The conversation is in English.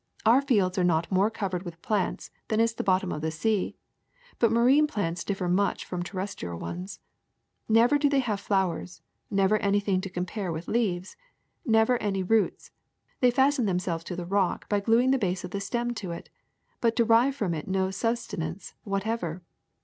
Our fields are not more covered with plants than is the bottom of the sea; but marine plants differ much from terrestrial ones. Never do they have flowers, never any thing to compare with leaves, never any roots; they fasten themselves to the rock by glu '* ing the base of the stem to it, d but derive from it no sustenance Seaweeds iAigcB) ^h^tever.